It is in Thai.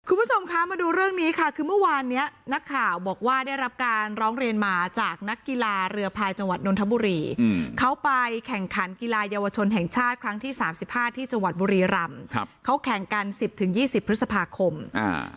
คุณผู้ชมคะมาดูเรื่องนี้ค่ะคือเมื่อวานเนี้ยนักข่าวบอกว่าได้รับการร้องเรียนมาจากนักกีฬาเรือพายจังหวัดนทบุรีอืมเขาไปแข่งขันกีฬาเยาวชนแห่งชาติครั้งที่สามสิบห้าที่จังหวัดบุรีรำครับเขาแข่งกันสิบถึงยี่สิบพฤษภาคมอ่า